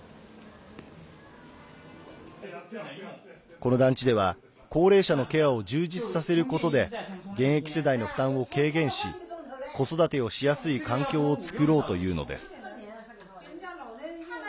この団地では高齢者のケアを充実させることで現役世代の負担を軽減し子育てをしやすい環境を作ろうというのです。